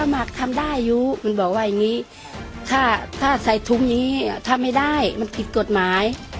มันบอกว่าอย่างนี้ถ้าใส่ถุงอย่างนี้ทำไม่ได้มันผิดกฎหมาย